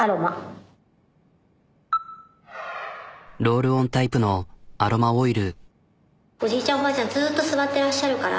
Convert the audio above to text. ロールオンタイプのアロマオイル。